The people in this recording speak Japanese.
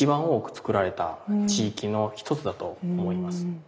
作られた地域の一つだと思います。